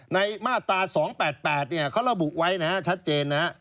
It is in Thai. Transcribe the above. ในมาตรา๒๘๘เขาเล่าบุกไว้ชัดเจน